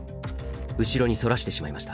後ろにそらしてしまいました。